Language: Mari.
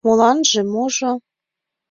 Моланже-можо...